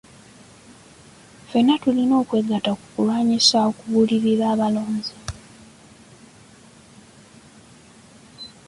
Ffenna tulina okwegatta ku kulwanyisa okugulirira abalonzi.